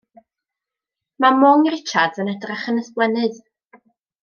Ma' mwng Richards yn edrach yn ysblennydd.